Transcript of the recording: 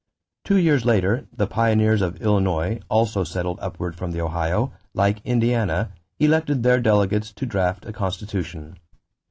Two years later, the pioneers of Illinois, also settled upward from the Ohio, like Indiana, elected their delegates to draft a constitution.